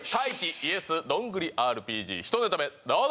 ＹｅｓどんぐりＲＰＧ１ネタ目どうぞ！